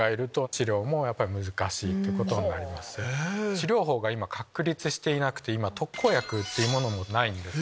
治療法が今確立していなくて特効薬ってものもないんです。